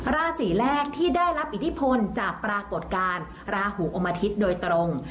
ราศีแรกที่ได้รับอิทธิพลจากปรากฏการณ์ราหูอมอาทิตย์โดยตรง